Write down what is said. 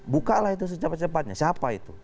bukalah itu secepat cepatnya siapa itu